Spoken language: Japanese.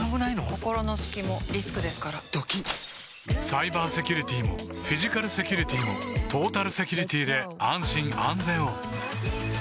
心の隙もリスクですからドキッサイバーセキュリティもフィジカルセキュリティもトータルセキュリティで安心・安全を